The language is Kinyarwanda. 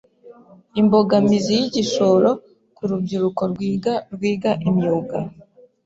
Imbogamizi y’igishoro ku rubyiruko rwiga rwiga imyuga